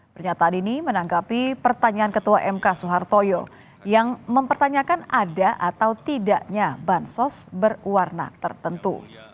pernyataan ini menanggapi pertanyaan ketua mk soehartoyo yang mempertanyakan ada atau tidaknya bansos berwarna tertentu